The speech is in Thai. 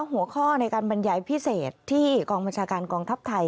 หัวข้อในการบรรยายพิเศษที่กองบัญชาการกองทัพไทย